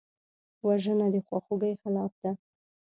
وژنه د خواخوږۍ خلاف ده